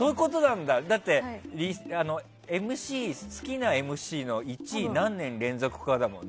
だって好きなＭＣの１位何年連続かだもんね。